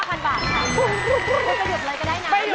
ก็จะหยุดเลยก็ได้นะ